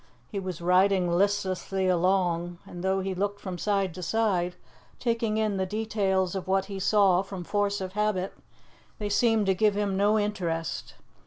He was riding listlessly along, and, though he looked from side to side, taking in the details of what he saw from force of habit, they seemed to give him no interest.